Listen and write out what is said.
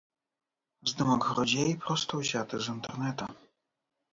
Здымак грудзей проста ўзяты з інтэрнэта.